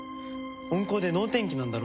温厚で脳天気なんだろ。